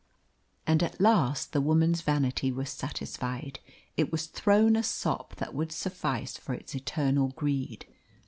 And at last the woman's vanity was satisfied; it was thrown a sop that would suffice for its eternal greed.